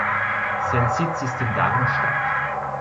Sein Sitz ist in Darmstadt.